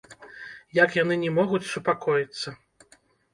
Як яны не могуць супакоіцца.